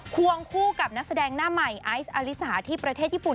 ควงคู่กับนักแสดงหน้าใหม่ไอซ์อลิสาที่ประเทศญี่ปุ่น